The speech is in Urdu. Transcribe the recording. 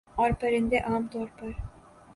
اورپرندے عام طور پر